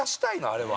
あれは。